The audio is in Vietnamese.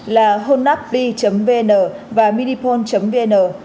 là honapv vn và minipon vn